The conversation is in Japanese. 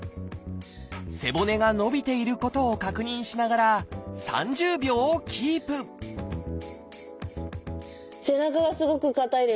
背骨が伸びていることを確認しながら３０秒キープ背中がすごく硬いです。